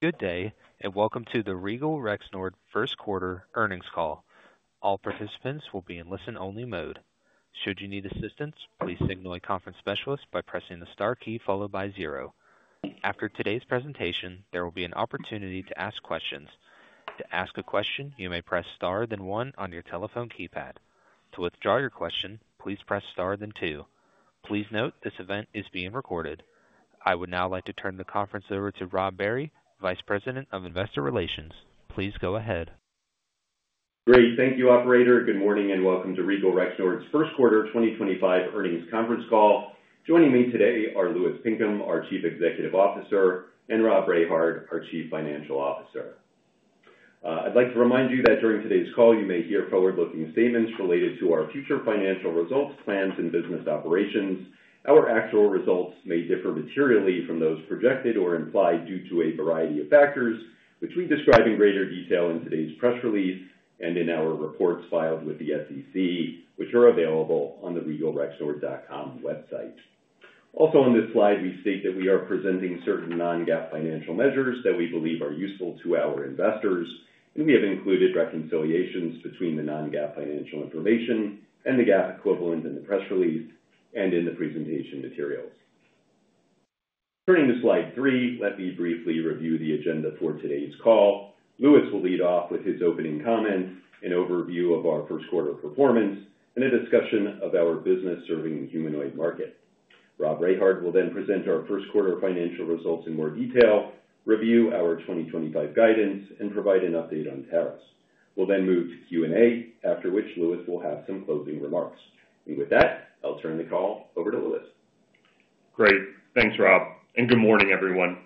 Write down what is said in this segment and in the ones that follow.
Good day and welcome to the Regal Rexnord First Quarter Earnings Call. All participants will be in listen-only mode. Should you need assistance, please signal a conference specialist by pressing the star key followed by zero. After today's presentation, there will be an opportunity to ask questions. To ask a question, you may press star then one on your telephone keypad. To withdraw your question, please press star then two. Please note this event is being recorded. I would now like to turn the conference over to Rob Berry, Vice President of Investor Relations. Please go ahead. Great. Thank you,. Good morning and welcome to Regal Rexnord's First Quarter 2025 Earnings Conference Call. Joining me today are Loui s Pinkham, our Chief Executive Officer, and Rob Rehard, our Chief Financial Officer. I'd like to remind you that during today's call, you may hear forward-looking statements related to our future financial results, plans, and business operations. Our actual results may differ materially from those projected or implied due to a. A variety of factors which we cribe in. Greater detail in today's press release and in our reports filed with the SEC, which are available on the regalrexnord.com website. Also on this slide, we state that we are presenting certain non-GAAP financial measures that we believe are useful to our investors, and we have included reconciliations between the non-GAAP financial information and the GAAP equivalent in the press release. In the presentation materials. Turning to Slide 3, let me briefly review the agenda for today's call. Louis will lead off with his opening comments, an overview of our first quarter performance, and a discussion of our business serving the humanoid market. Rob Rehard will then present our first quarter financial results in more detail, review our 2025 guidance, and provide an update on tariffs. We'll then move to Q and A, after which Louis will have some closing. Remarks, and with that, I'll turn the call over to Louis. Great. Thanks, Rob, and good morning, everyone.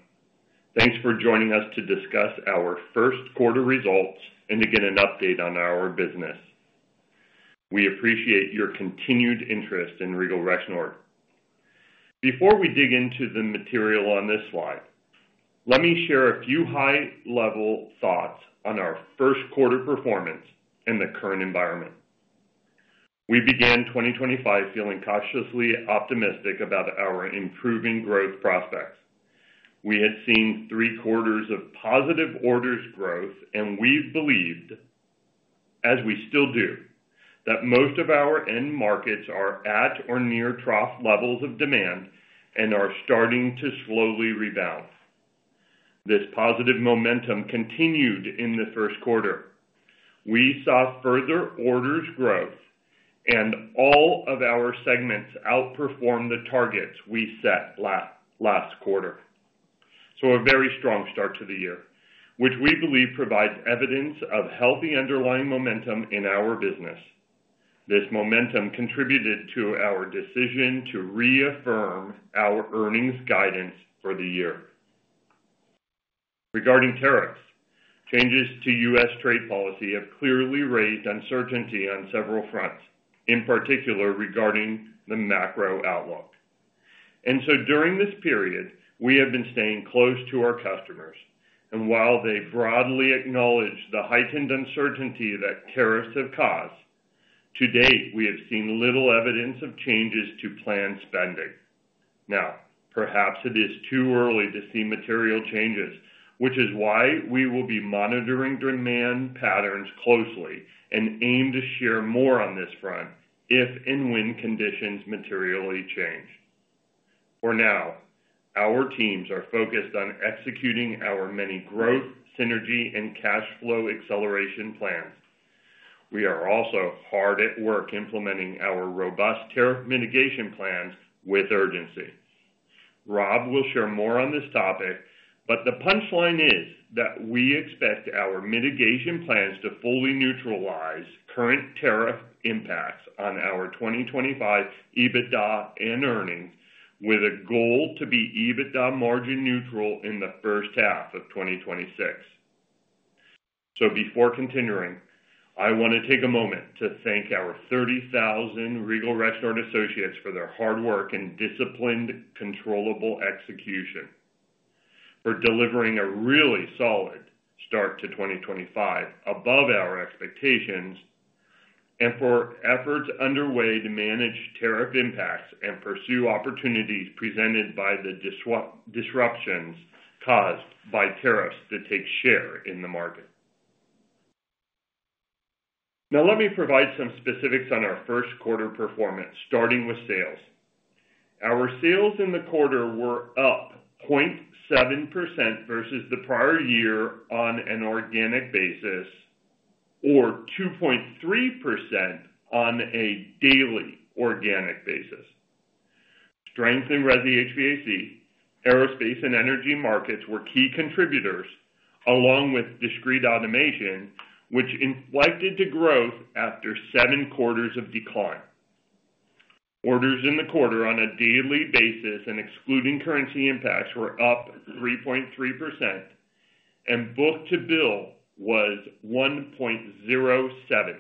Thanks for joining us to discuss our first quarter results and to get an update on our business. We appreciate your continued interest in Regal Rexnord. Before we dig into the material on this slide, let me share a few high-level thoughts on our first quarter performance in the current environment. We began 2025 feeling cautiously optimistic about our improving growth prospects. We had seen three quarters of positive order growth, and we believed, as we still do, that most of our end markets are at or near trough levels of demand and are starting to slowly rebound. This positive momentum continued in the first quarter. We saw further orders growth, and all of our segments outperformed the targets we set last quarter. A very strong start to the year, which we believe provides evidence of healthy underlying momentum in our business. This momentum contributed to our decision to reaffirm our earnings guidance for the year regarding tariffs. Changes to. trade policy have clearly raised uncertainty on several fronts, in particular regarding the macro outlook, and during this period, we have been staying close to our customers. While they broadly acknowledge the heightened uncertainty that tariffs have caused to date, we have seen little evidence of changes to planned spending. Now, perhaps it is too early to see material changes, which is why we will be monitoring demand patterns closely and aim to share more on this front if and when conditions materially change. For now, our teams are focused on executing our many growth synergy and cash flow acceleration plans. We are also hard at work implementing our robust tariff mitigation plans with urgency. Rob will share more on this topic, but the punchline is that we expect our mitigation plans to fully neutralize current tariff impacts on our 2025 EBITDA and earnings, with a goal to be EBITDA margin neutral in the first half of 2026. Before continuing, I want to take a moment to thank our 30,000 Regal Rexnord associates for their hard work and disciplined, controllable execution for delivering a really solid start to 2025 above our expectations and for their efforts underway to manage tariff impacts and pursue opportunities presented by the disruptions caused by tariffs that take share in the market. Now, let me provide some specifics on our first quarter performance, starting with sales. Our sales in the quarter were up 0.7% versus the prior year on an organic basis or 2.3% on a daily organic basis. Strength in Resi HVAC, Aerospace, and Energy markets were key contributors along with discrete Automation, which inflected to growth after seven quarters of decline. Orders in the quarter on a daily basis and excluding currency impacts were up 3.3%, and book-to-bill was 1.07.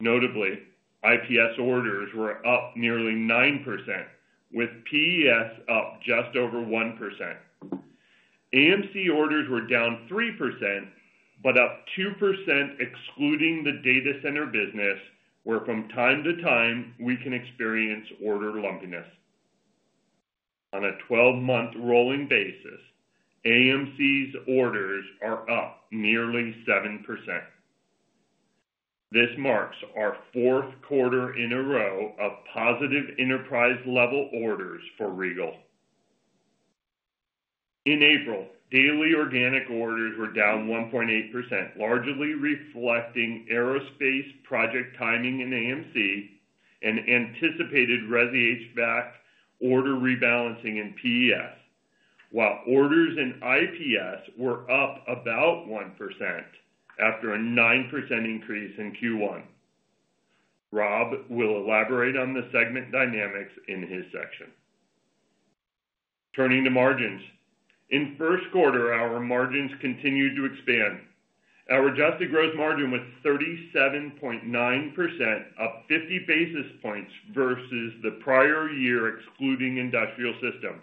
Notably, IPS orders were up nearly 9% with PEs up just over 1%. AMC orders were down 3% but up 2% excluding the data center business, where, from time to time, we can experience order lumpiness. On a 12 month rolling basis, AMC's orders are up nearly 7%. This marks our fourth quarter in a row of positive enterprise level orders for Regal. In April, daily organic orders were down 1.8%, largely reflecting aerospace project timing in AMC and anticipated resi HVAC order rebalancing in PEs, while orders in IPS were up about 1% after a 9% increase in Q1. Rob will elaborate on the segment dynamics in his section. Turning to margins in first quarter, our margins continued to expand. Our adjusted gross margin was 37.9%, up 50 basis points versus the prior year excluding Industrial Systems.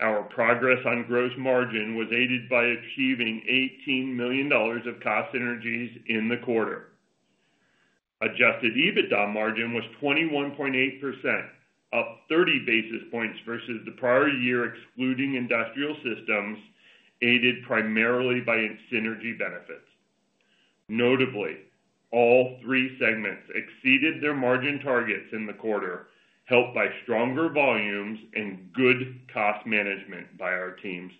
Our progress on gross margin was aided by achieving $18 million of cost synergies, and the adjusted EBITDA margin was 21.8%, up 30 basis points versus the prior year, excluding Industrial Systems, aided primarily by synergy benefits. Notably, all three segments exceeded their margin targets in the quarter, helped by stronger volumes and good cost management by our teams.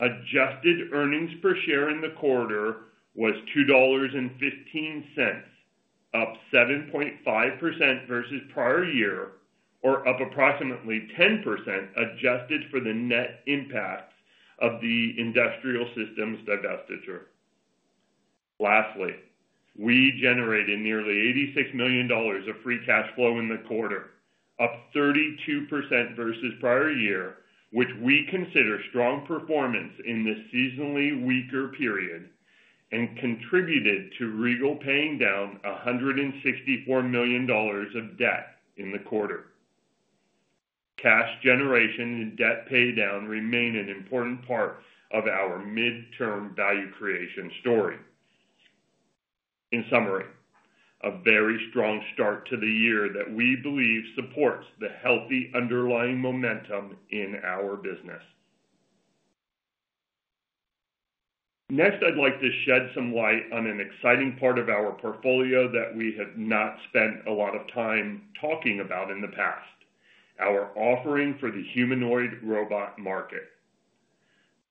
Adjusted earnings per share in the quarter was $2.15 up 7.5% versus prior year or up approximately 10% adjusted for the net impact of the industrial systems divestiture. Lastly, we generated nearly $86 million of free cash flow in the quarter, up 32% versus prior year, which we consider strong performance in this seasonally weaker period and contributed to Regal Rexnord paying down $164 million of debt in the quarter. Cash generation and debt paydown remain an important part of our mid term value creation story. In summary, a very strong start to the year that we believe supports the healthy underlying momentum in our business. Next, I'd like to shed some light on an exciting part of our portfolio that we have not spent a lot of time talking about in the past, our offering for the humanoid robot market.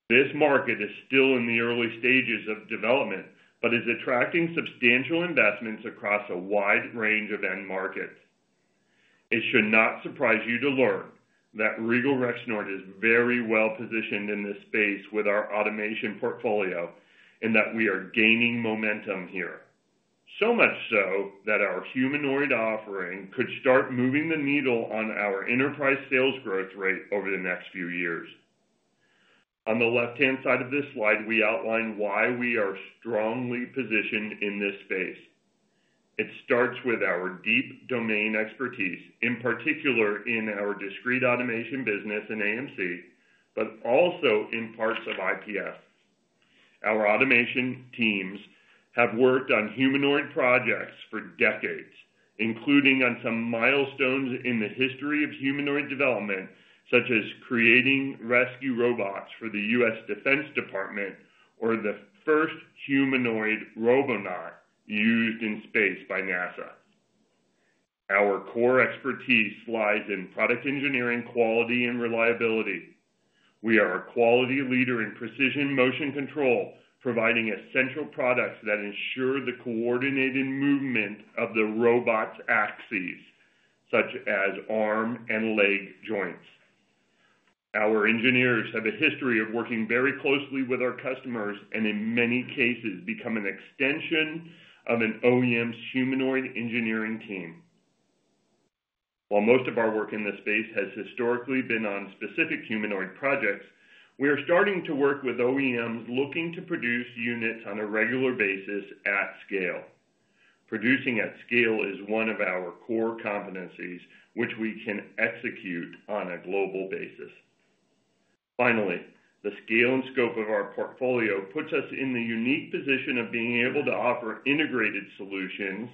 This market is still in the early stages of development, but is attracting substantial investments across a wide range of end markets. It should not surprise you to learn that Regal Rexnord is very well positioned in this space with our automation portfolio and that we are gaining momentum here. So much so that our humanoid offering could start moving the needle on our enterprise sales growth rate over the next few years. On the left hand side of this slide, we outline why we are strongly positioned in this space. It starts with our deep domain expertise, in particular in our discrete automation business in AMC, but also in parts of IPS. Our automation teams have worked on humanoid projects for decades, including on some milestones in the history of humanoid development, such as creating rescue robots for the. defense Department or the first humanoid used in space by NASA. Our core expertise lies in product engineering, quality and reliability. We are a quality leader in precision motion control, providing essential products that ensure the coordinated movement of the robot's axes, such as arm and leg joints. Our engineers have a history of working very closely with our customers and in many cases become an extension of an OEM's humanoid engineering team. While most of our work in this space has historically been on specific humanoid projects, we are starting to work with OEMs looking to produce units on a regular basis at scale. Producing at scale is one of our core competencies and which we can execute on a global basis. Finally, the scale and scope of our portfolio puts us in the unique position of being able to offer integrated solutions,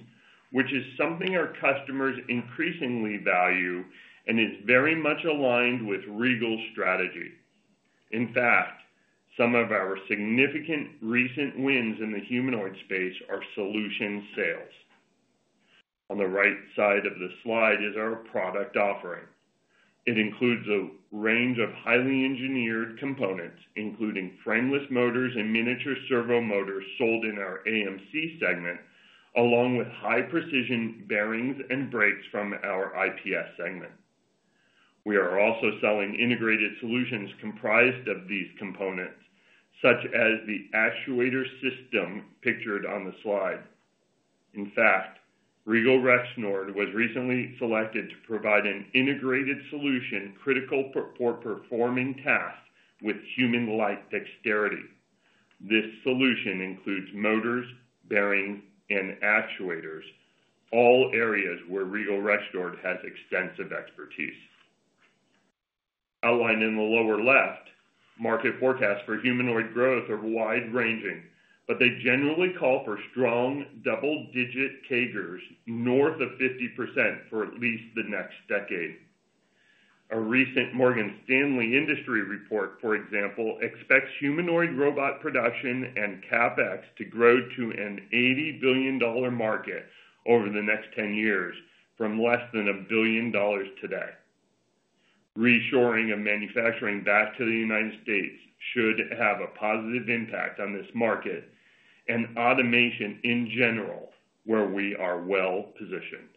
which is something our customers increasingly value and is very much aligned with Regal Rexnord's strategy. In fact, some of our significant recent wins in the humanoid space are solution sales. On the right side of the slide is our product offering. It includes a range of highly engineered components including frameless motors and miniature servo motors sold in our AMC segment, along with high precision bearings and brakes from our IPS segment. We are also selling integrated solutions comprised of these components such as the actuator system pictured on the slide. In fact, Regal Rexnord was recently selected to provide an integrated solution critical for performing tasks with human-like dexterity. This solution includes motors, bearing and actuators, all areas where Regal Rexnord has extensive expertise outlined in the lower left. Market forecasts for humanoid growth are wide ranging, but they generally call for strong double digit CAGRs north of 50% for at least the next decade. A recent Morgan Stanley industry report, for example, expects humanoid robot production and CapEx to grow to an $80 market over the next 10 years from less than a billion dollars today. Reshoring of manufacturing back to the United States should have a positive impact on this market and automation in general, where we are well positioned.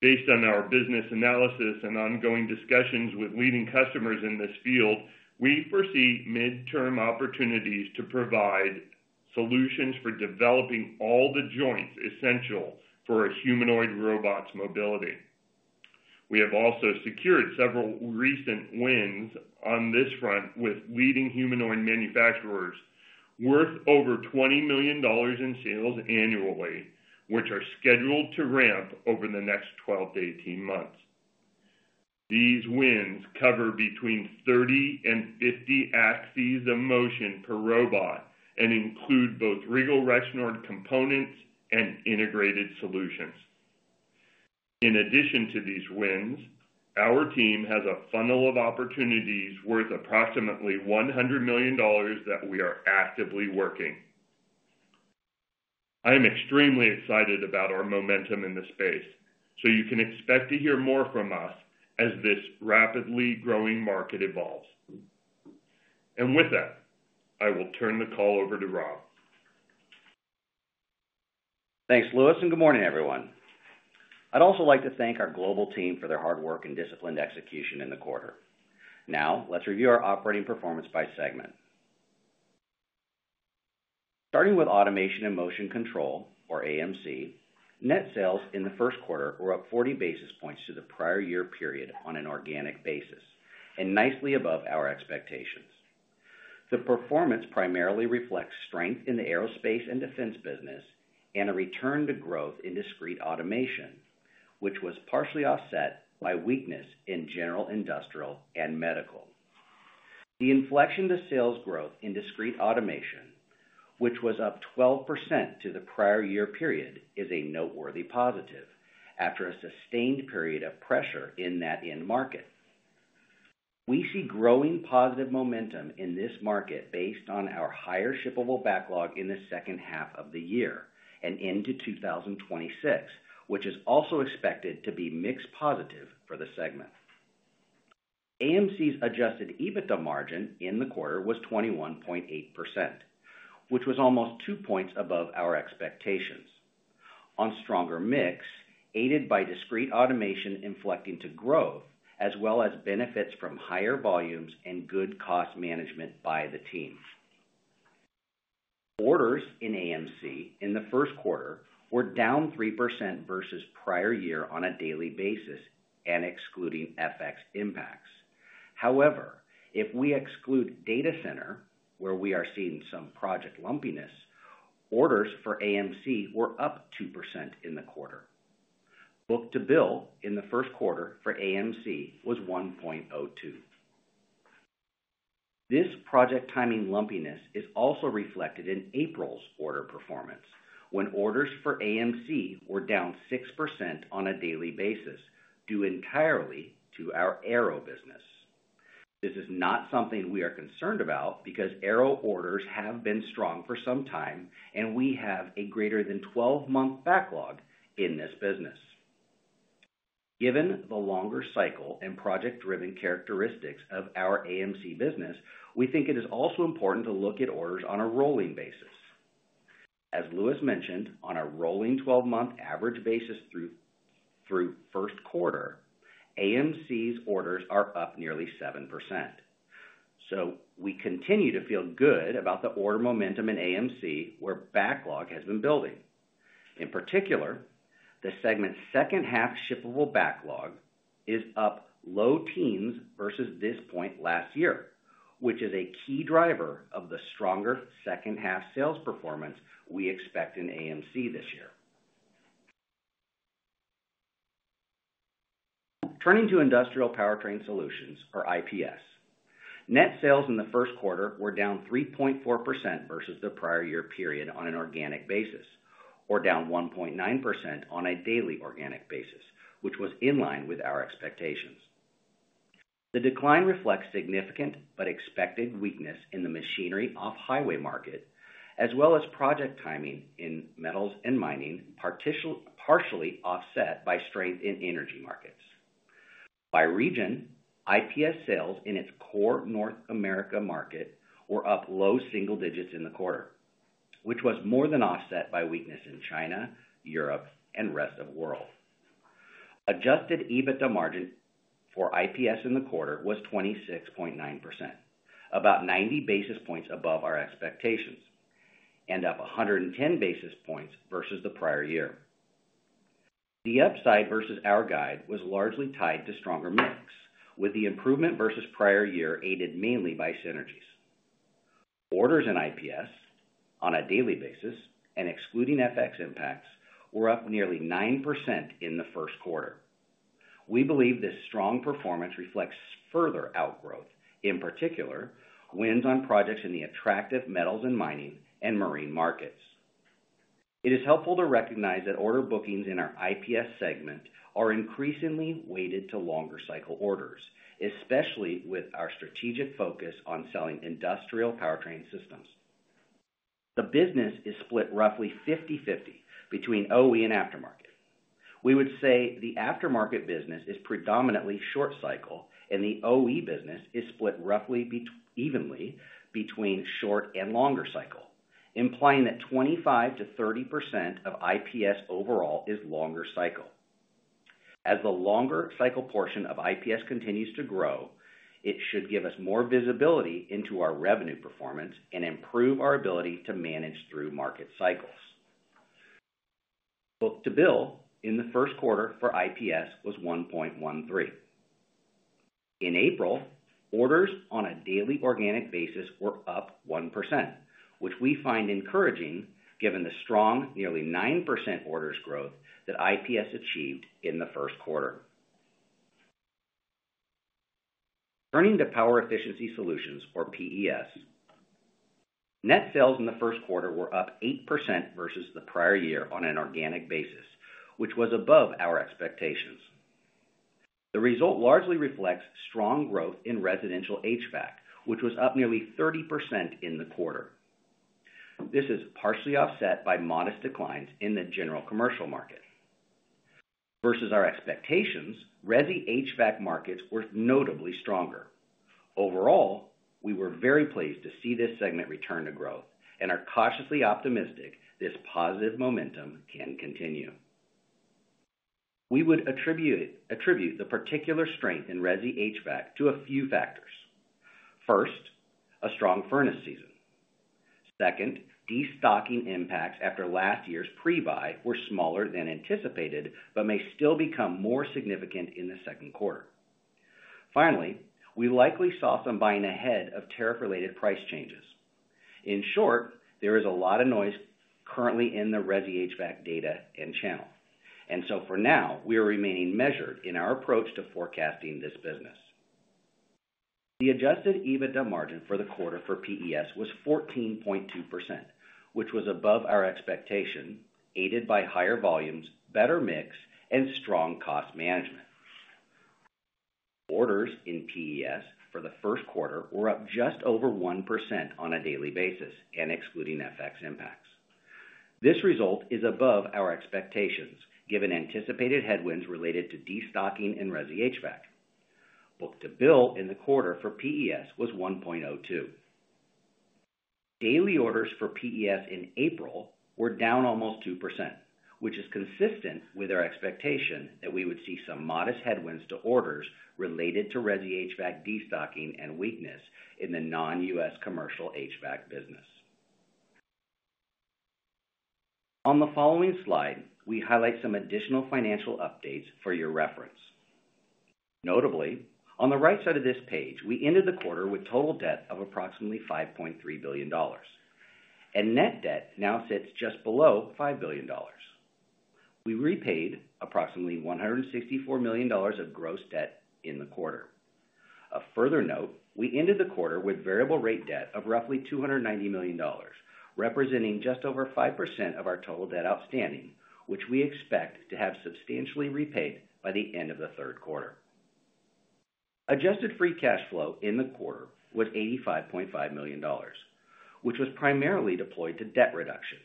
Based on our business analysis and ongoing discussions with leading customers in this field, we foresee mid term opportunities to provide solutions for developing all the joints essentially for a humanoid robot's mobility. We have also secured several recent wins on this front with leading humanoid manufacturers worth over $20 million in sales annually, which are scheduled to ramp over the next 12 to 18 months. These wins cover between 30 and 50 axes of motion per robot and include both Regal Rexnord components and integrated solutions. In addition to these wins, our team has a funnel of opportunities worth approximately $100 million that we are actively working. I am extremely excited about our momentum in this space, you can expect to hear more from us as this rapidly growing market evolves. With that I will turn the call over to Rob. Thanks Louis and good morning everyone. I'd also like to thank our global team for their hard work and disciplined execution in the quarter. Now let's review our operating performance by segment starting with automation and Motion Control or AMC. Net sales in the first quarter were up 40 basis points to the prior year period on an organic basis and nicely above our expectations. The performance primarily reflects strength in the aerospace and defense business and a return to growth in discrete automation which was partially offset by weakness in general industrial and medical. The inflection to sales growth in discrete automation which was up 12% to the prior year period is a noteworthy positive after a sustained period of pressure in that end market. We see growing positive momentum in this market based on our higher shippable backlog in the second half of the year and into 2026, which is also expected to be mix positive for the segment. AMC's adjusted EBITDA margin in the quarter was 21.8%, which was almost 2 percentage points above our expectations on stronger mix aided by discrete automation inflecting to growth as well as benefits from higher volumes and good cost management by the team. Orders in AMC in the first quarter were down 3% versus prior year on a daily basis and excluding FX impacts. However, if we exclude Data center where we are seeing some project lumpiness, orders for AMC were up 2% in the quarter. Book to bill in the first quarter for AMC was 1.02. This project timing lumpiness is also reflected in April's order performance when orders for AMC were down 6% on a daily basis due entirely to our Arrow business. This is not something we are concerned about because Arrow orders have been strong for some time and we have a greater than 12 month backlog in this business. Given the longer cycle and project driven characteristics of our AMC business, we think it is also important to look at orders on a rolling basis. As mentioned, on a rolling 12 month average basis through first quarter, AMC's orders are up nearly 7% so we continue to feel good about the order momentum in AMC where backlog has been building. In particular, the segment's second half shippable backlog is up low teens versus this point last year, which is a key driver of the stronger second half sales performance we expect in AMC this year. Turning to Industrial Powertrain Solutions, or IPS, net sales in the first quarter were down 3.4% versus the prior year period on an organic basis, or down 1.9% on a daily organic basis, which was in line with our expectations. The decline reflects significant but expected weakness in the machinery off highway market as well as project timing in metals and mining, partially offset by strength in energy markets by region. IPS sales in its core North America market were up low single digits in the quarter, which was more than offset by weakness in, Europe, and rest of world. Adjusted EBITDA margin for IPS in the quarter was 26.9%, about 90 basis points above our expectations and up 110 basis points versus the prior year. The upside versus our guide was largely tied to stronger mix, with the improvement versus prior year aided mainly by synergies. Orders in IPS on a daily basis and excluding FX impacts were up nearly 9% in the first quarter. We believe this strong performance reflects further outgrowth, in particular wins on projects in the attractive metals and mining and marine markets. It is helpful to recognize that order bookings in our IPS segment are increasingly weighted to longer cycle orders, especially with our strategic focus on selling industrial powertrain systems. The business is split roughly 50-50 between OE and aftermarket. We would say the aftermarket business is predominantly short cycle and the OE business is split roughly evenly between short and longer cycle, implying that 25-30% of IPS overall is longer cycle. As the longer cycle portion of IPS continues to grow, it should give us more visibility into our revenue performance and improve our ability to manage through market cycles. Book to bill in the first quarter for IPS was 1.13. In April, orders on a daily organic basis were up 1%, which we find encouraging given the strong nearly 9% orders growth that IPS achieved in the first quarter. Turning to power efficiency solutions or PEs, net sales in the first quarter were up 8% versus the prior year on an organic basis, which was above our expectations. The result largely reflects strong growth in residential HVAC, which was up nearly 30% in the quarter. This is partially offset by modest declines in the general commercial market versus our expectations. Resi HVAC markets were notably stronger overall. We were very pleased to see this segment return to growth and are cautiously optimistic this positive momentum can continue. We would attribute the particular strength in Resi HVAC to a few factors. First, a strong furnace season. Second, destocking impacts after last year's pre-buy were smaller than anticipated but may still become more significant in the second quarter. Finally, we likely saw some buying ahead of tariff-related price changes. In short, there is a lot of noise currently in the Resi HVAC data and channel and so for now we are remaining measured in our approach to forecasting this business. The adjusted EBITDA margin for the quarter for PES was 14.2% which was above our expectation aided by higher volumes, better mix and strong cost management. Orders in PES for the first quarter were up just over 1% on a daily basis and excluding FX impacts. This result is above our expectations and given anticipated headwinds related to destocking and resi HVAC book to bill in the quarter for PES was 1.02. Daily orders for PES in April were down almost 2%, which is consistent with our expectation that we would see some modest headwinds to orders related to resi HVAC destocking and weakness in the non-U.S. commercial HVAC business. On the following slide we highlight some additional financial updates for your reference, notably on the right side of this page. We ended the quarter with total debt of approximately $5.3 billion and net debt now sits just below $5 billion. We repaid approximately $164 million of gross debt in the quarter. A further note, we ended the quarter with variable rate debt of roughly $290 million, representing just over 5% of our total debt outstanding, which we expect to have substantially repaid by the end of the third quarter. Adjusted free cash flow in the quarter was $85.5 million, which was primarily deployed to debt reduction.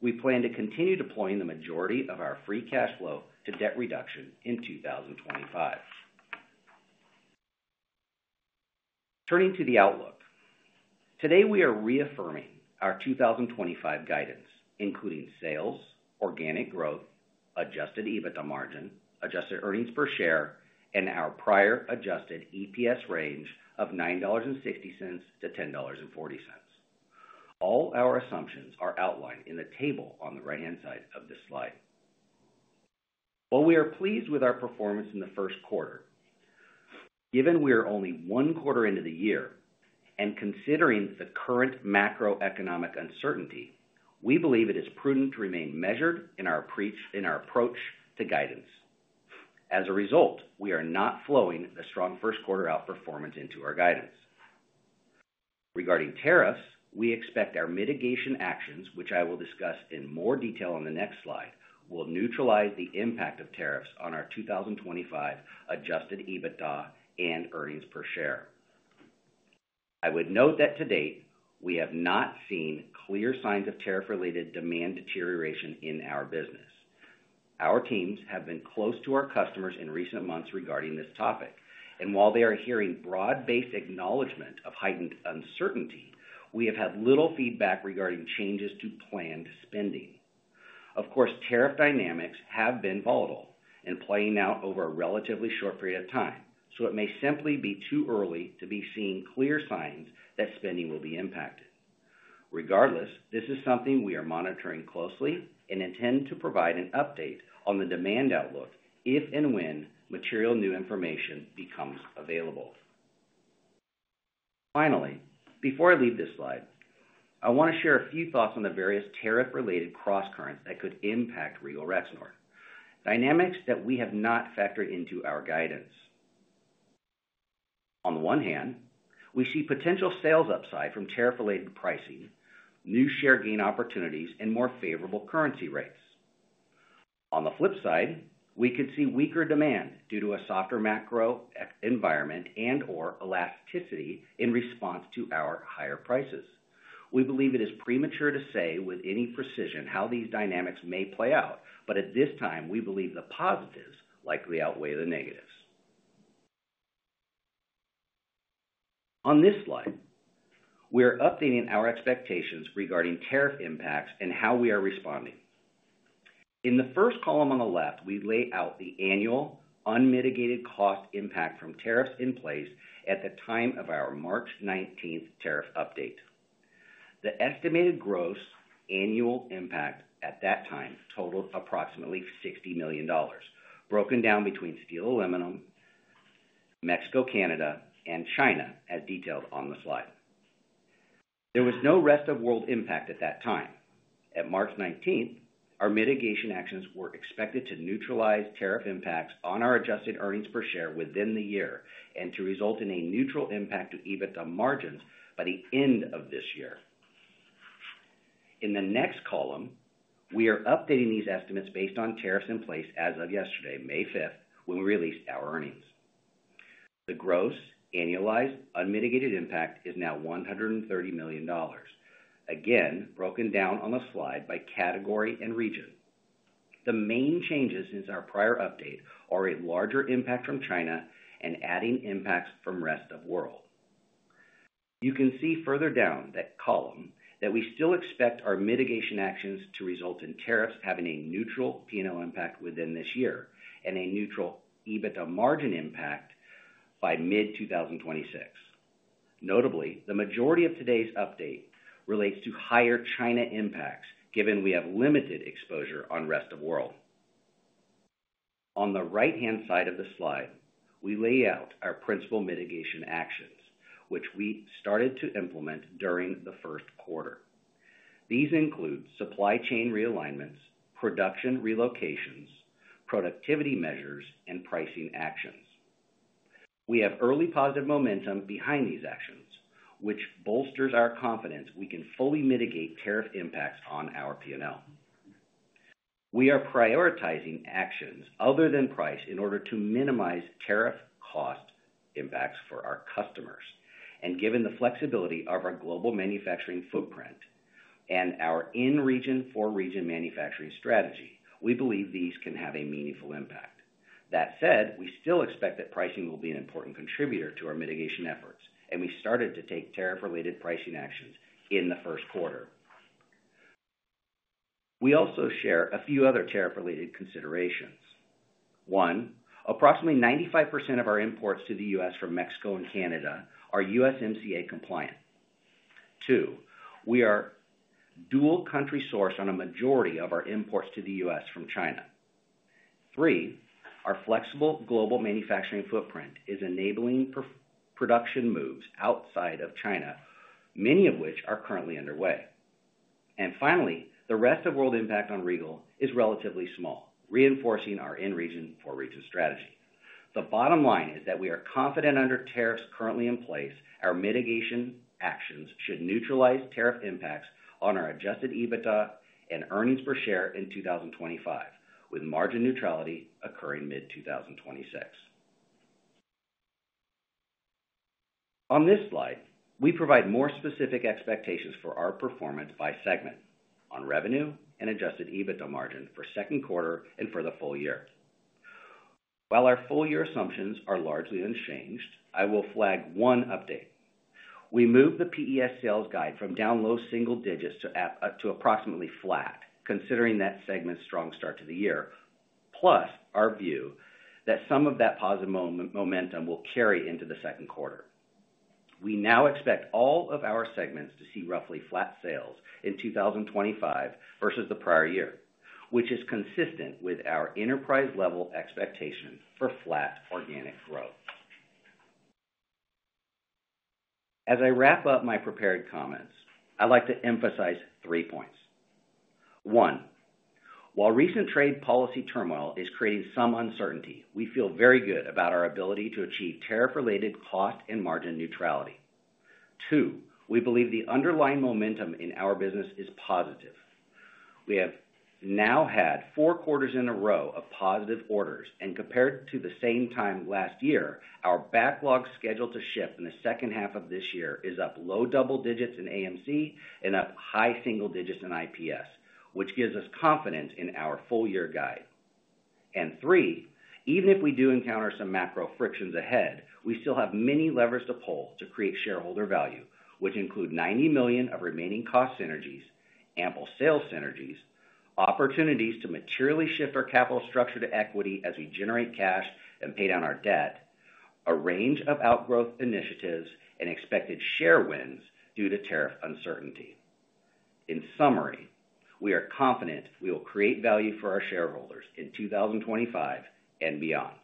We plan to continue deploying the majority of our free cash flow to debt reduction in 2025. Turning to the outlook today, we are reaffirming our 2025 guidance including sales, organic growth, adjusted EBITDA margin, adjusted earnings per share and our prior adjusted EPS range of $9.60-$10.40. All our assumptions are outlined in the table on the right hand side of this slide. While we are pleased with our performance in the first quarter, given we are only one quarter into the year and considering the current macroeconomic uncertainty, we believe it is prudent to remain measured in our approach to guidance. As a result, we are not flowing the strong first quarter outperformance into our guidance regarding tariffs. We expect our mitigation actions, which I will discuss in more detail on the next slide, will neutralize the impact of tariffs on our 2025 adjusted EBITDA and earnings per share. I would note that to date we have not seen clear signs of tariff related demand deterioration in our business. Our teams have been close to our customers in recent months regarding this topic, and while they are hearing broad-based acknowledgment of heightened uncertainty, we have had little feedback regarding changes to planned spending. Of course, tariff dynamics have been volatile and playing out over a relatively short period of time, so it may simply be too early to see clear signs that spending will be impacted. Regardless, this is something we are monitoring closely and intend to provide an update on the demand outlook if and when material new information becomes available. Finally, before I leave this slide, I want to share a few thoughts on the various tariff-related cross currents that could impact Regal Rexnord dynamics that we have not factored into our guidance. On the one hand, we see potential sales upside from tariff related pricing, new share gain opportunities and more favorable currency rates. On the flip side, we could see weaker demand due to a softer macro environment and or elasticity and in response to our higher prices. We believe it is premature to say with any precision how these dynamics may play out, but at this time we believe the positives likely outweigh the negatives. On this slide we are updating our expectations regarding tariff impacts and how we are responding. In the first column on the left, we lay out the annual unmitigated cost impact from tariffs in place at the time of our March 19th tariff update. The estimated gross annual impact at that time totaled approximately $60 million, broken down between Steel, Aluminum, Mexico, Canada and China. As detailed on the slide, there was no rest of world impact at that time. At March 19, our mitigation actions were expected to neutralize tariff impacts on our adjusted earnings per share within the year and to result in a neutral impact to EBITDA margins by the end of this year. In the next column we are updating these estimates based on tariffs in place as of yesterday May 5th when we released our earnings. The gross annualized unmitigated impact is now $130 million. Again broken down on the slide by category and region. The main changes since our prior update are a larger impact from China and adding impacts from rest of world. You can see further down that column that we still expect our mitigation actions to result in tariffs having a neutral P and L impact within this year and a neutral EBITDA margin impact by mid-2026. Notably, the majority of today's update relates to higher China impacts given we have limited exposure on rest of world. On the right hand side of the slide we lay out our principal mitigation actions which we started to implement during the first quarter. These include supply chain realignments, production relocations, productivity measures and pricing actions. We have early positive momentum behind these actions which bolsters our confidence we can fully mitigate tariff impacts on our P and L. We are prioritizing actions other than price in order to minimize tariff cost impacts for our customers, and given the flexibility of our global manufacturing footprint and our in region for region manufacturing strategy, we believe these can have a meaningful impact. That said, we still expect that pricing will be an important contributor to our mitigation efforts, and we started to take tariff related pricing actions the first quarter. We also share a few other tariff related considerations. 1. Approximately 95% of our imports to the U.S. from Mexico and Canada are USMCA compliant. 2. We are dual country sourced on a majority of our imports to the U.S. from China. 3. Our flexible global manufacturing footprint is enabling production moves outside of China, many of which are currently underway, and finally the rest of world impact on Regal Rexnord is relatively small, reinforcing our in region for region strategy. The bottom line is that we are confident under tariffs currently in place. Our mitigation actions should neutralize tariff impacts on our adjusted EBITDA and earnings per share in 2025 with margin neutrality occurring mid-2026. On this slide we provide more specific expectations for our performance by segment on revenue and adjusted EBITDA margin for second quarter and for the full year. While our full year assumptions are largely unchanged, I will flag one update we moved the PES sales guide from down low single digits to approximately flat. Considering that segment's strong start to the year, plus our view that some of that positive momentum will carry into the second quarter, we now expect all of our segments to see roughly flat sales in 2025 versus the prior year, which is consistent with our enterprise level expectation for flat organic growth. As I wrap up my prepared comments, I'd like to emphasize three points. 1. While recent trade policy turmoil is creating some uncertainty, we feel very good about our ability to achieve tariff related cost and margin neutrality. 2. We believe the underlying momentum in our business is positive. We have now had four quarters in a row of positive orders and compared to the same time last year. Our backlog scheduled to ship in the second half of this year is up low double digits in AMC and up high single digits in IPS which gives us confidence in our full year guide. Even if we do encounter some macro frictions ahead, we still have many levers to pull to create shareholder value which include $90 million of remaining cost synergies, ample sales synergies, opportunities to materially shift our capital structure to equity as we generate cash and pay down our debt, a range of outgrowth initiatives and expected share wins due to tariff uncertainty. In summary, we are confident we will create value for our shareholders in 2025 and beyond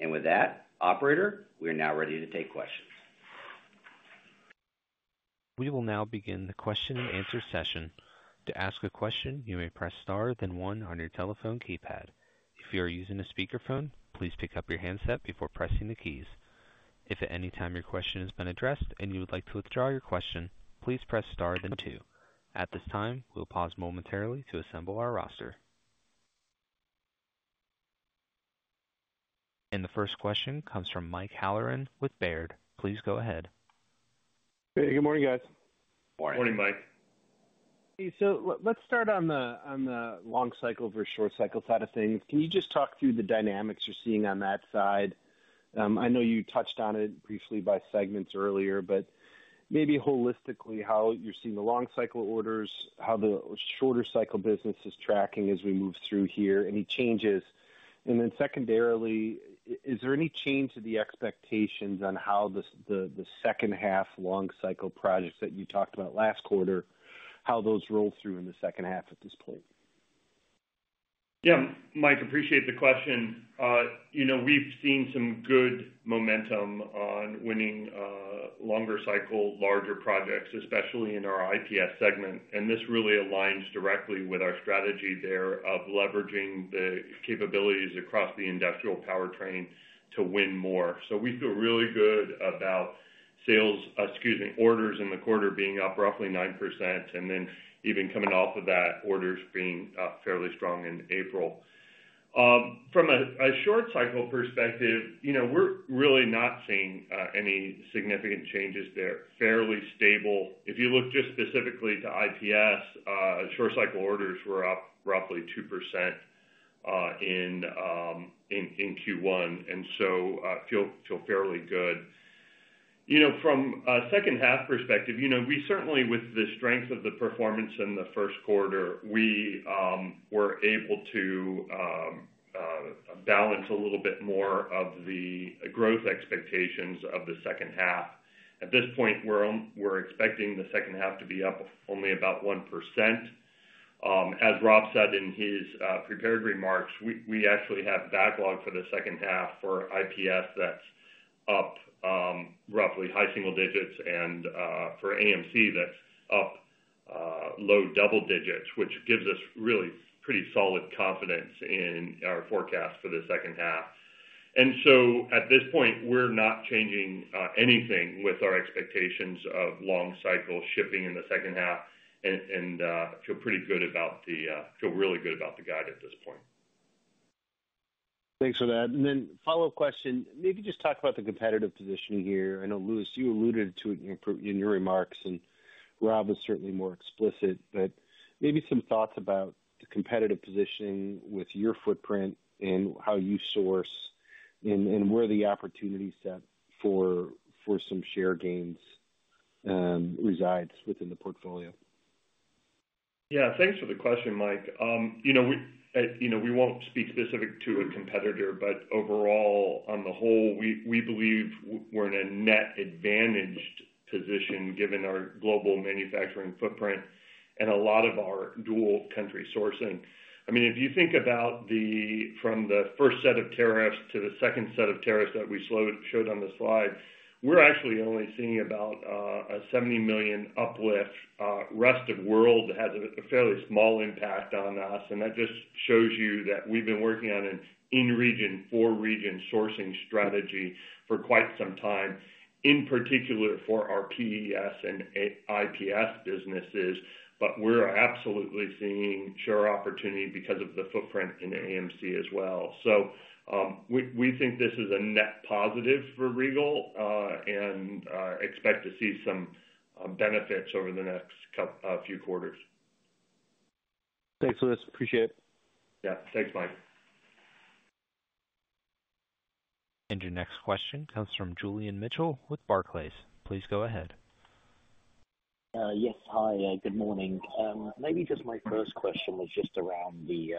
and with that operator, we are now ready to take questions. We will now begin the Question and Answer session. To ask a question, you may press *1 on your telephone keypad. If you are using a speakerphone, please pick up your handset before pressing the keys. If at any time your question has been addressed and you would like to withdraw your question, please press star then two at this time. We'll pause momentarily to assemble our roster. The first question comes from Mike Halloran with Baird, please go ahead. Good morning, guys. Morning, Mike. Let's start on the long cycle versus short cycle side of things. Can you just talk through the dynamics? You're seeing on that side? I know you touched on it briefly by segments earlier, but maybe holistically, how you're seeing the long cycle orders, how the shorter cycle business is tracking as we move through here, any changes, and then secondarily, is there any change to the expectations on how the second half long cycle projects that you talked about last quarter, how those roll through in the second half at this point? Yeah, Mike, appreciate the question. You know, we've seen some good momentum on winning longer cycle larger projects, especially in our IPS segment, and this really aligns directly with our strategy there of leveraging the capabilities across the industrial powertrain to win more. We feel really good about sales, excuse me, orders in the quarter being up roughly 9% and then even coming off of that, orders being fairly strong in April. From a short cycle perspective, we're really not seeing any significant changes. They're fairly stable. If you look just specifically to IPS, short cycle orders were up roughly 2% in Q1 and so feel fairly good. From a second half perspective, we certainly with the strength of the performance in the first quarter, we were able to balance a little bit more of the growth expectations of the second half. At this point, we're expecting the second half to be up only about 1%. As Rob said in his prepared remarks, we actually have backlog for the second half. For IPS, that's up roughly high single digits and for AMC, that's up low double digits, which gives us really pretty solid confidence in our forecast for the second half. At this point we're not changing anything with our expectations of long cycle shipping in the second half. Feel pretty good about the, feel really good about the guide at this point. Thanks for that. Maybe just talk about the competitive positioning here. I know Louis, you alluded to it. In your remarks and Rob was certainly more explicit, but maybe some thoughts about the competitive positioning with your footprint and how you source and where the opportunity set for some share gains resides within the portfolio. Yeah, thanks for the question, Mike. We won't speak specific to a competitor, but overall on the whole we believe we're in a net advance position given our global manufacturing footprint and a lot of our dual country sourcing. I mean, if you think about from the first set of tariffs to the second set of tariffs that we showed on the slide, we're actually only seeing about a $70 million uplift. Rest of world has a fairly small impact on us and that just shows you that we've been working on an in-region for region sourcing strategy for quite some time and in particular for our PEs and IPS businesses. We're absolutely seeing share opportunity because of the footprint in AMC as well. We think this is a net positive for Regal and expect to see some benefits over the next few quarters. Thanks, Louis. Appreciate it. Yeah, thanks Mike. Your next question comes from Julian Mitchell with Barclays. Please go ahead. Yes. Hi, good morning. Maybe just my first question was just around the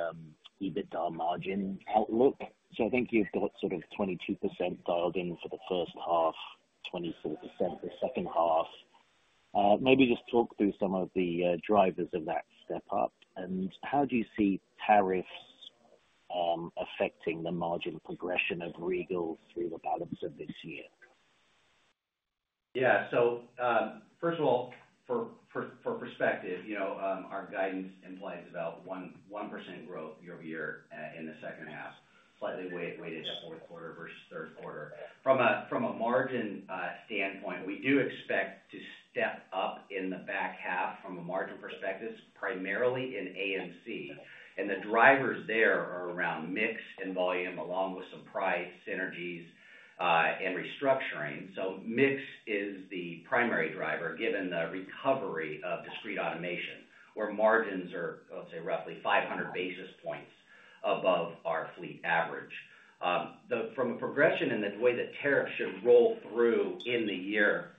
EBITDA margin outlook. I think you've got sort of 22% dialed in for the first half, 24% the second half. Maybe just talk through some of the drivers of that step up. How do you see tariffs affecting the margin progression of Regal through the balance of this year? Yeah, so first of all for perspective, you know our guidance implies about 1% growth year over year in the second half, slightly weighted to fourth quarter versus third quarter. From a margin standpoint, we do expect to see step up in the back half from a margin perspective, primarily in AMC and the drivers there are around mix and volume along with some price synergies and restructuring. Mix is the primary driver given the recovery of discrete automation where margins are roughly 500 basis points above our fleet average from a progression in the way that tariffs should roll through in the year.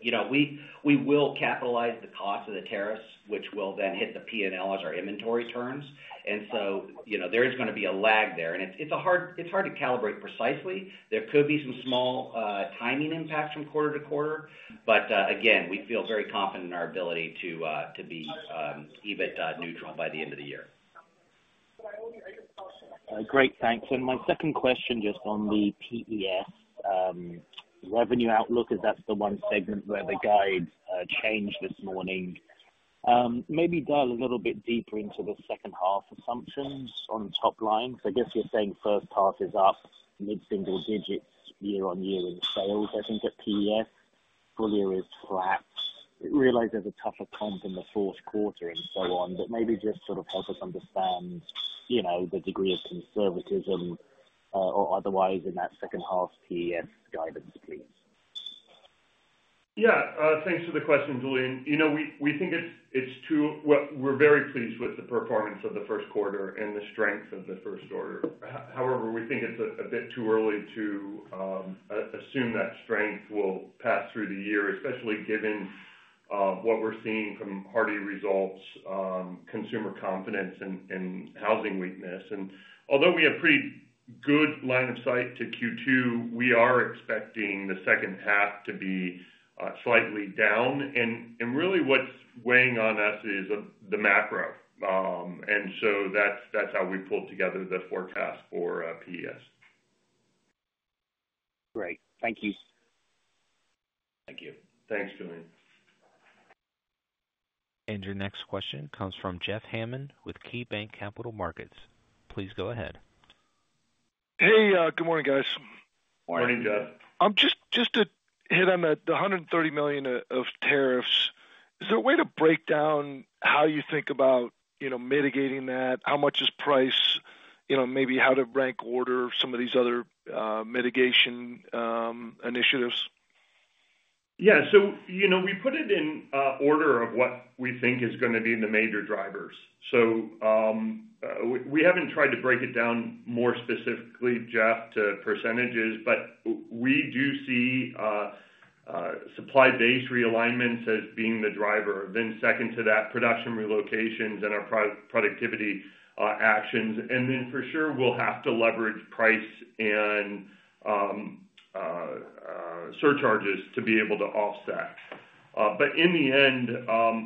You know, we will capitalize the cost of the tariffs which will then hit the P and L as our inventory turns. And so you know there is going to be a lag there and it's hard to calibrate precisely. There could be some small timing impacts. From quarter to quarter. Again we feel very confident in our ability to be EBITDA neutral by the end of the year. Great, thanks. My second question just on the PES revenue outlook, as that's the one segment where the guide changed this morning, maybe dial a little bit deeper into the second half assumptions on top line. I guess you're saying first half is up mid single digits year on year in sales. I think at PES full year is flat. Realize there's a tougher comp in the fourth quarter and so on, but maybe just sort of help us understand, you know, the degree of conservatism or otherwise in that second half PES guidance. Please, yeah, thanks for the question, Julian. You know, we think it's too. We're very pleased with the performance of the first quarter and the strength of the first quarter. However, we think it's a bit too early to assume that strength will pass through the year, especially given what we're seeing from hardy results, consumer confidence and housing weakness. Although we have pretty good line of sight to Q2, we are expecting the second half to be slightly down. Really what's weighing on us is the macro. That's how we pull together the forecast for pes. Great. Thank you. Thank you. Thanks, Julian. Your next question comes from Jeff Hammond with KeyBanc Capital Markets. Please go ahead. Hey, good morning, guys. Morning, Jeff. Just to hit on the $130 million of tariffs, is there a way to break down how you think about, you know, mitigating that, how much is price, you know, maybe how to rank order some of these other mitigation initiatives? Yeah. So, you know, we put it in order of what we think is going to be the major drivers. We haven't tried to break it down more specifically, Jeff, to percentages, but we do see supply base realignments as being the driver. Second to that, production relocations and our productivity actions. For sure we'll have to leverage price and surcharges to be able to offset. In the end,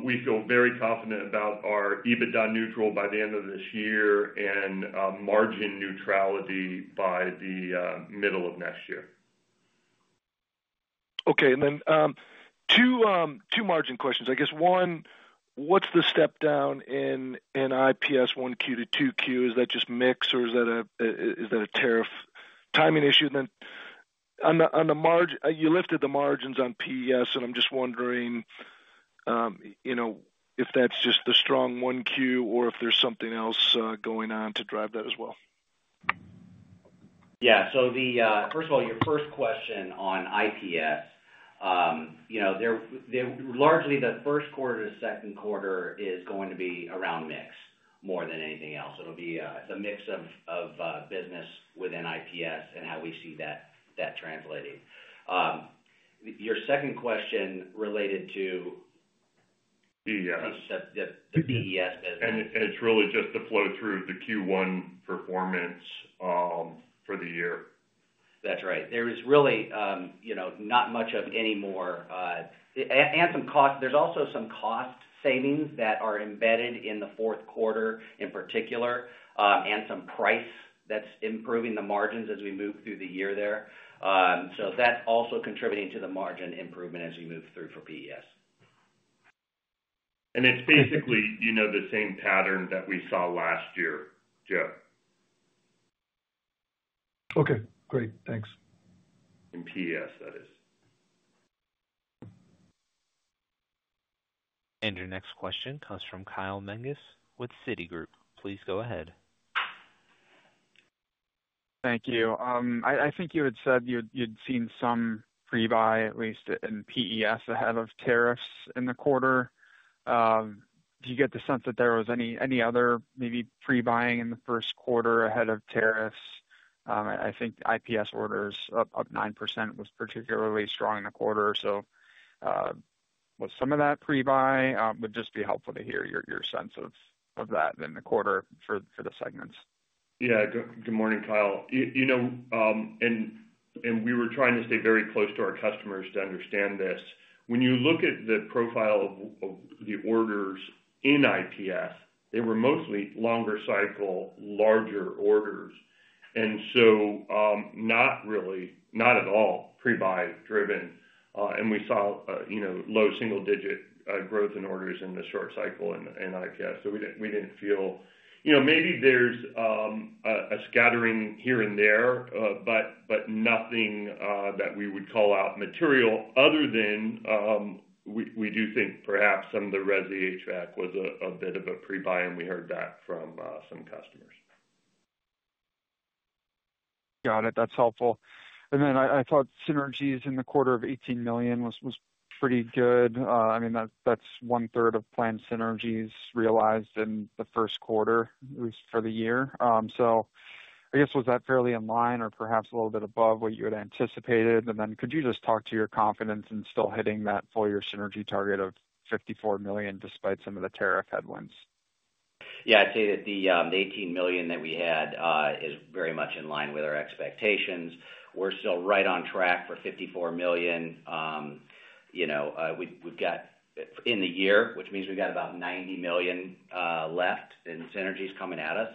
we feel very confident about our EBITDA neutral by the end of this year and margin neutrality by the middle of next year. Okay. Two margin questions, I guess. One, what's the step down in IPS 1Q to 2Q? Is that just mix or is that a tariff timing issue? On the margin, you lifted the margins on PEs. I'm just wondering, you know, if that's just the strong 1Q or if there's something else going on to drive that as well. Yeah. First of all, your first question on IPS, you know, largely the first quarter to second quarter is going to be around mix more than anything else. It'll be the mix of business within IPS and how we see that translating. Your second question related to DES. Business and it's really just to flow through the Q1 performance for the year. That's right. There is really, you know, not much of any more and some cost, there's also some cost savings that are embedded in the fourth quarter in particular and some price that's improving the margins as we move through the year there. That's also contributing to the margin improvement as you move through for PES. It is basically, you know, the same pattern that we saw last year. Joe. Okay, great, thanks. In EPS, that is. Your next question comes from Kyle Menges with Citigroup. Please go ahead. Thank you. I think you had said you'd seen some pre buy, at least in PEs ahead of tariffs in the quarter. Do you get the sense that there was any other maybe pre buying in the first quarter ahead of tariffs? I think IPS orders up 9% was particularly strong in the quarter. Was some of that pre buy? Would just be helpful to hear your sense of that in the quarter for the segments. Yeah. Good morning, Kyle. You know, we were trying to stay very close to our customers to understand this. When you look at the profile of the orders in IPS, they were mostly longer cycle, larger orders, and not really, not at all pre-buy driven. We saw, you know, low single-digit growth in orders in the short cycle in IPS. We did not feel, you know, maybe there is a scattering here and there, but nothing that we would call out as material other than we do think perhaps some of the resi HVAC was a bit of a pre-buy, and we heard that from some customers. Got it. That's helpful. I thought synergies in the quarter of $18 million was pretty good. I mean, that's one third of planned synergies realized in the first quarter, at least for the year. I guess was that fairly in line or perhaps a little bit above what you had anticipated? Could you just talk to your confidence in still hitting that full year synergy target of $54 million despite some of the tariff headwinds? Yeah, I'd say that the $18 million that we had is very much in line with our expectations. We're still right on track for $54 million. You know, we've got in the year, which means we've got about $90 million left and synergies coming at us.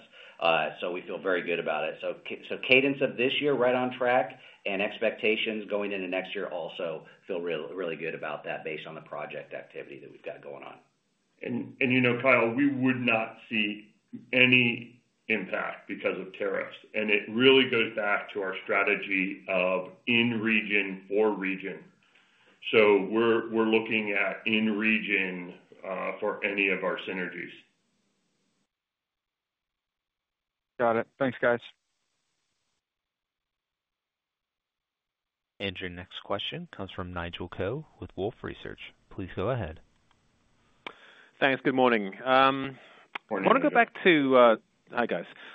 We feel very good about it. Cadence of this year, right on track and expectations going into next year. Also feel really good about that based on the project activity that we've got going on. You know, Kyle, we would not see any impact because of tariffs. It really goes back to our strategy of in region for region. We are looking at in region for any of our synergies. Got it. Thanks, guys. Your next question comes from Nigel Coe with Wolfe Research. Please go ahead. Thanks. Good morning. I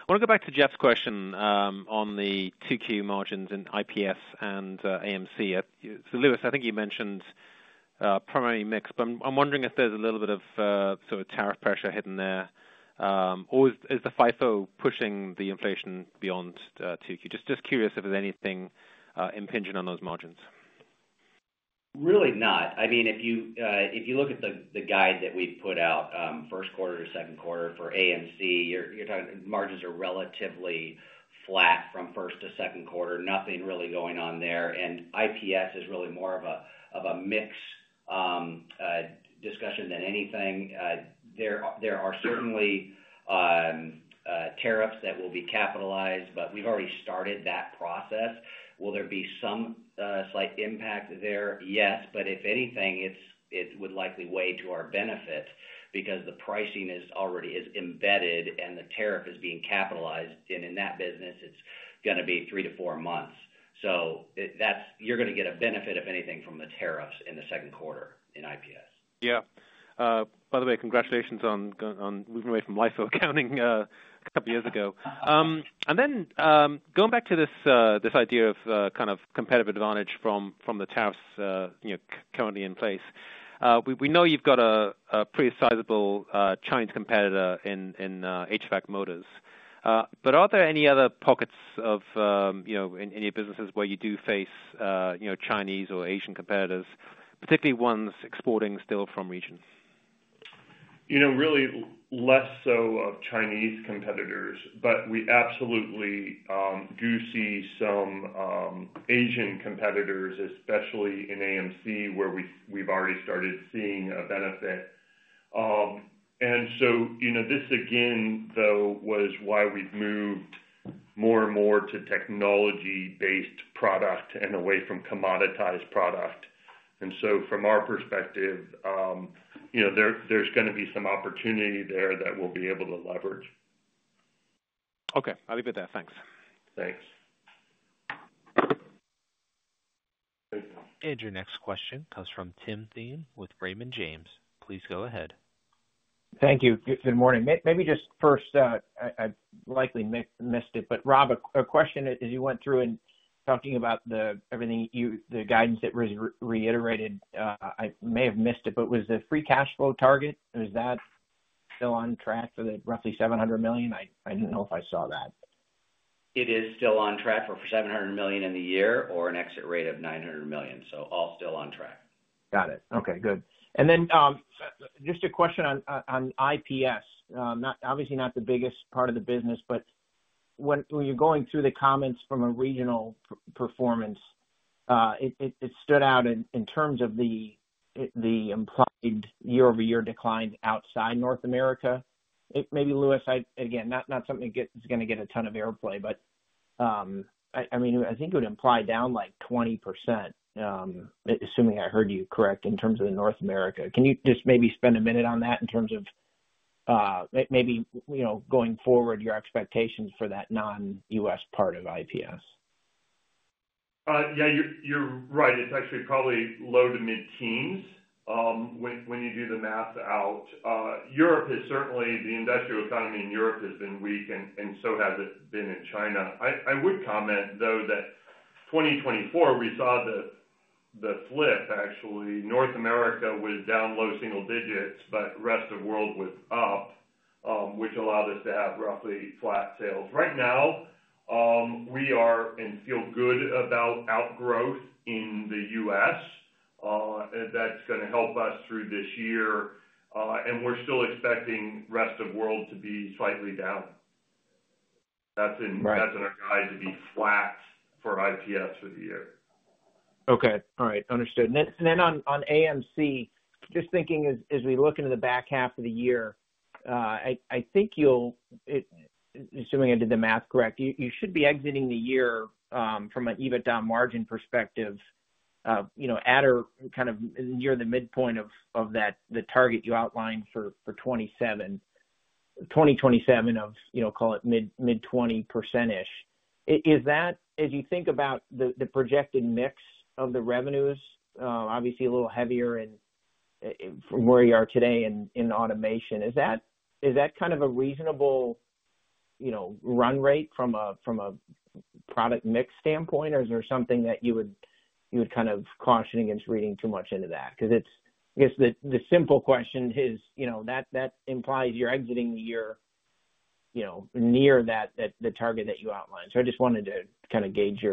want to go back to Jeff's question. On the 2Q margins in IPS and AMC. So Louis, I think you mentioned primary mix, but I'm wondering if there's a little bit of sort of tariff pressure hidden there, or is the FIFO pushing the inflation beyond 2Q? Just curious if there's anything impingent on those margins. Really not. I mean if you look at the guide that we put out first quarter to second quarter for ANC, margins are relatively flat from first to second quarter. Nothing really going on there. IPS is really more of a mix discussion than anything. There are certainly tariffs that will be capitalized, but we've already started that process. Will there be some slight impact there? Yes, but if anything it would likely weigh to our benefit because the pricing is already embedded and the tariff is being capitalized and in that business it's going to be three to four months. That is, you're going to get a benefit if anything from the tariffs in the second quarter in IPS. Yeah. By the way, congratulations on moving away from LIFO accounting a couple years ago and then going back to this idea of kind of competitive advantage from the tariffs currently in place. We know you've got a pretty sizable Chinese competitor in HVAC motors, but are there any other pockets of any businesses where you do face Chinese or Asian competitors, particularly ones exporting still from. Region, you know, really less so of Chinese competitors. You know, we absolutely do see some Asian competitors, especially in AMC where we've already started seeing a benefit. You know, this again though was why we've moved more and more to technology based product and away from commoditized product. From our perspective there's going to be some opportunity there that we'll be able to leverage. Okay, I'll leave it there. Thanks. Thanks. Your next question comes from Tim Thein with Raymond James. Please go ahead. Thank you. Good morning. Maybe just first I likely missed it, but Rob, a question as you went through and talking about the everything you the guidance that was reiterated, I may have missed it, but was the free cash flow target, is that still on track for the roughly $700 million? I don't know if I saw that. It is still on track for $700 million in the year or an exit rate of $900 million. All still on track. Got it. Okay, good. Just a question on IPS. Obviously not the biggest part of the business, but when you're going through the comments from a regional performance, it stood out in terms of the implied year-over-year decline outside North America. Maybe Louis, again, not something that's going to get a ton of airplay, but I mean I think it would imply down like 20%. Assuming I heard you correct in terms. Of the North America, can you just. Maybe spend a minute on that in terms of maybe going forward your expectations for that non-U.S. part of IPS? Yeah, you're right. It's actually probably low to mid teens when you do the math out. Europe has certainly, the industrial economy in Europe has been weak and so has it been in China. I would comment though that 2024 we saw the flip. Actually, North America was down low single digits but rest of world was up, which allowed us to have roughly flat sales. Right now we are and feel good about outgrowth in the U.S. that's going to help us through this year. We're still expecting rest of world to be slightly down. That's in our guide to be flat for IPS for the year. Okay, all right, understood. On AMC, just thinking as we look into the back half of the year, I think you'll, assuming I did the math correct, you should be exiting the year from an EBITDA margin perspective at or kind of near the midpoint of the target you outlined for 2027 of, call it, mid 20% ish. Is that as you think about the projected mix of the revenues, obviously a little heavier from where you are today in automation. Is that kind of a reasonable run rate from a product mix standpoint or is there something that you would kind of caution against reading too much into that? I guess the simple question is that implies you're exiting the year near the target that you outlined. I just wanted to kind of gauge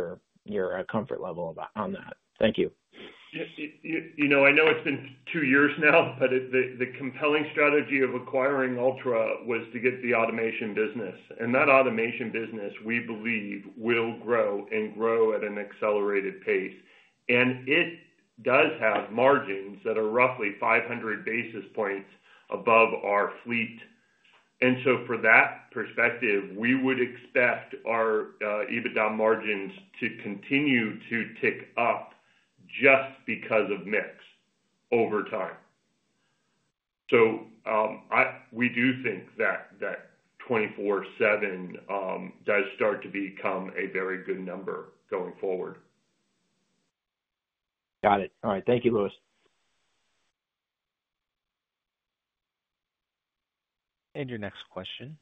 your comfort level on that. Thank you. I know it's been two years now, but the compelling strategy of acquiring Ultra was to get the automation business. That automation business we believe will grow and grow at an accelerated pace. It does have margins that are roughly 500 basis points above our fleet. From that perspective, we would expect our EBITDA margins to continue to tick up just because of mix over time. We do think that 247 does start to become a very good number going forward. Got it. All right, thank you, Louis. Your next question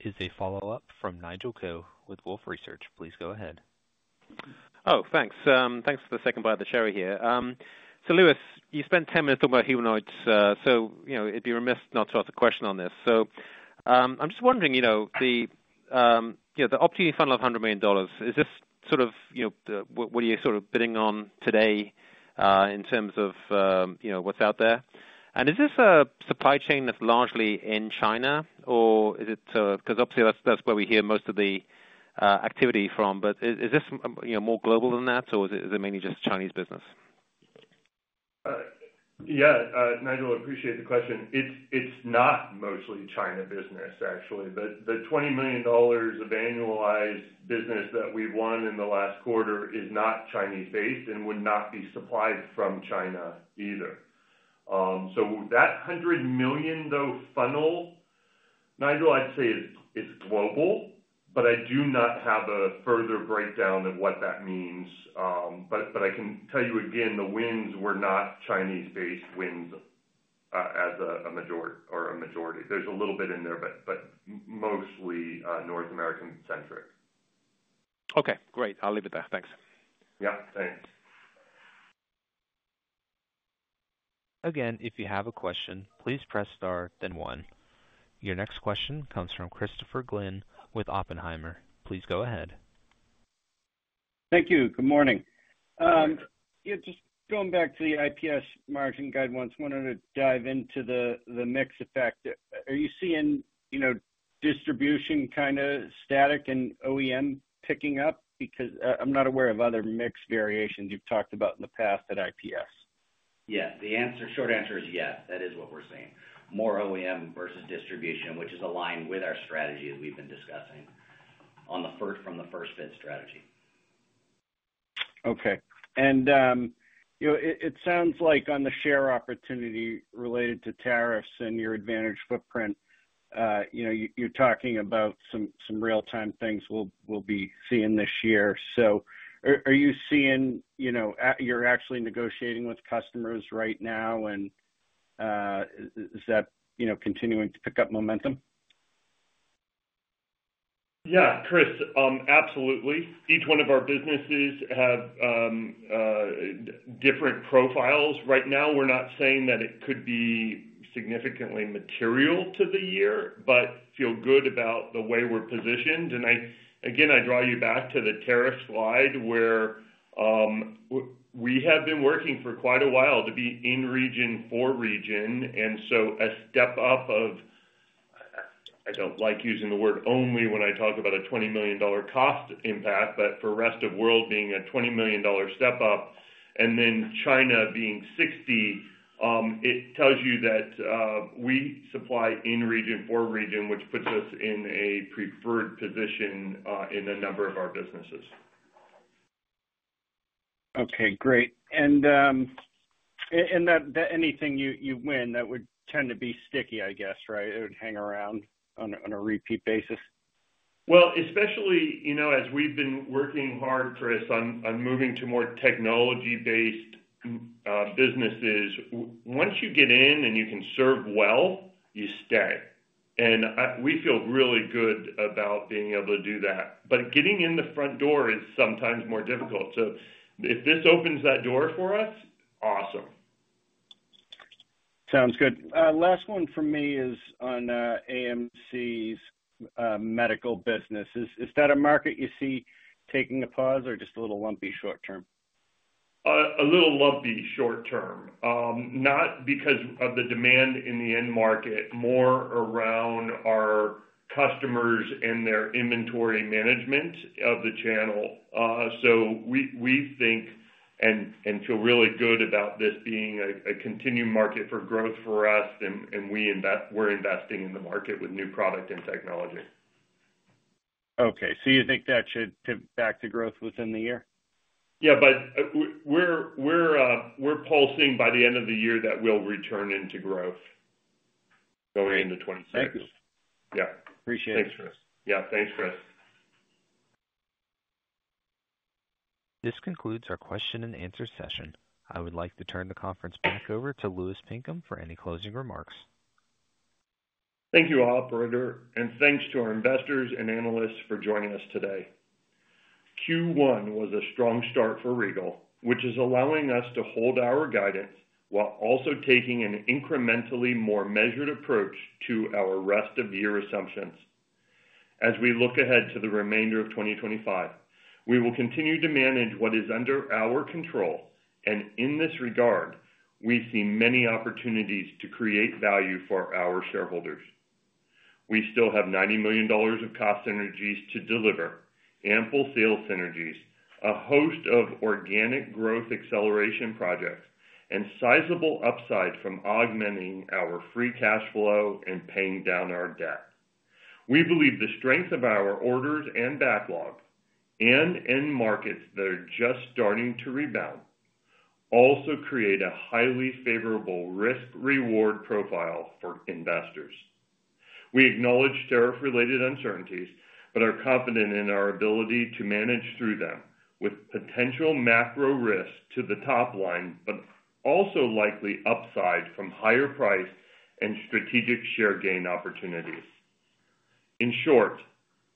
is a follow up from Nigel Coe with Wolfe Research. Please go ahead. Thanks for the second bite of the sherry here. Louis, you spent 10 minutes talking about humanoids, so it'd be remiss not to ask a question on this. I'm just wondering, the opportunity funnel, $100 million. Is this sort of, what are you sort of bidding on today in terms of what's out there? Is this a supply chain that's largely in China or is it, because obviously that's where we hear most of the activity from. Is this more global than that or is it mainly just Chinese business? Yeah, Nigel, I appreciate the question. It's not mostly China business actually, but the $20 million of annualized business that we've won in the last quarter is not Chinese based and would not be supplied from China either. That $100 million funnel, Nigel, I'd say it's global, but I do not have a further breakdown of what that means. I can tell you again, the wins were not Chinese based wins as a majority or a majority. There's a little bit in there, but mostly North American centric. Okay, great. I'll leave it there. Thanks. Yeah, thanks. Again. If you have a question, please press star then 1. Your next question comes from Christopher Glynn with Oppenheimer. Please go ahead. Thank you. Good morning. Just going back to the IPS margin guide. Once wanted to dive into the mix effect. Are you seeing, you know, distribution kind of static and OEM picking up because I'm not aware of other mix variations you've talked about in the past at IPS. Yeah, the answer, short answer is yes, that is what we're seeing, more OEM versus distribution, which is aligned with our strategy as we've been discussing from the first bid strategy. Okay. You know, it sounds like on the share opportunity related to tariffs and your advantage footprint, you know, you're talking about some real time things we'll be seeing this year. Are you seeing, you know, you're actually negotiating with customers right now and is that, you know, continuing to pick up momentum? Yeah, Chris, absolutely. Each one of our businesses have different profiles right now. We're not saying that it could be significantly material to the year, but feel good about the way we're positioned. Again, I draw you back to the tariff slide where we have been working for quite a while to be in region for region. A step up of, I do not like using the word only when I talk about a $20 million cost impact, but for rest of world being a $20 million step up and then China being $60 million, it tells you that we supply in region for region, which puts us in a preferred position in a number of our businesses. Okay, great. And. Anything you win, that would tend to be sticky, I guess, right? It would hang around on a repeat basis? Especially, you know, as we've been working hard, Chris, on moving to more technology based businesses. Once you get in and you can serve well, you stay. And we feel really good about being able to do that. Getting in the front door is sometimes more difficult. If this opens that door for us, awesome. Sounds good. Last one for me is on AMC's medical business. Is that a market you see taking a pause or just a little lumpy short term? A little lumpy short term. Not because of the demand in the end market, more around our customers and their inventory management of the channel. We think and feel really good about this being a continued market for growth for us and we're investing in the market with new product and technology. Okay, so you think that should tip back to growth within the year? Yeah, but we're pulsing by the end of the year that we'll return into growth going into 2025. Thank you. Yeah, appreciate it. Thanks, Chris. Yeah, thanks Chris. This concludes our question and answer session. I would like to turn the conference back over to Louis Pinkham for any closing remarks. Thank you operator and thanks to our investors and analysts for joining us today. Q1 was a strong start for Regal Rexnord which is allowing us to hold our guidance while also taking an incrementally more measured approach to our rest of year assumptions. As we look ahead to the remainder of 2025, we will continue to manage what is under our control and in this regard we see many opportunities to create value for our shareholders. We still have $90 million of cost synergies to deliver, ample sales synergies, a host of organic growth acceleration projects and sizable upside from augmenting our free cash flow and paying down our debt. We believe the strength of our orders and backlog and end markets that are just starting to rebound also create a highly favorable risk reward profile for investors. We acknowledge tariff related uncertainties but are confident in our ability to manage through them with potential macro risk to the top line but also likely upside from higher price and strategic share gain opportunities. In short,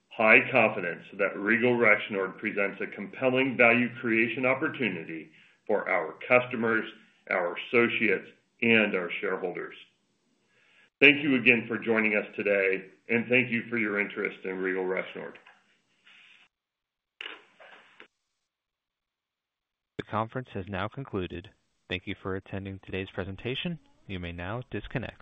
high confidence that Regal Rexnord presents a compelling value creation opportunity for our customers, our associates and our shareholders. Thank you again for joining us today and thank you for your interest in Regal Rexnord. The conference has now concluded. Thank you for attending today's presentation. You may now disconnect.